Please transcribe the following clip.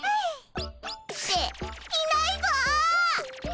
っていないぞ！